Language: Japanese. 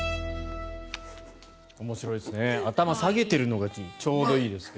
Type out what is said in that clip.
面白いですね。